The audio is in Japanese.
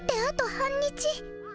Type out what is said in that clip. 半日？